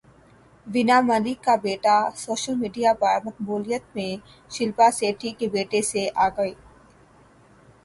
وینا ملک کا بیٹا social media پر مقبولیت میں شلپا شیٹھی کے بیٹے سے آگے